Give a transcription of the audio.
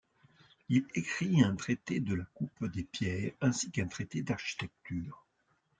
Il écrit un traité de la coupe des pierres ainsi qu'un traité d'architecture.